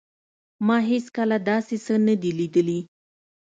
ما هیڅکله داسې څه نه دي لیدلي